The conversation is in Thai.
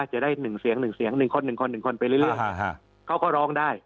จะได้๑เสียง๑เสียง๑คน๑คน๑คนไปเรื่อยเขาก็ร้องได้